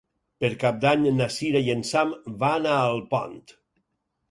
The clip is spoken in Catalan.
Per Cap d'Any na Cira i en Sam van a Alpont.